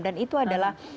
dan itu adalah situasi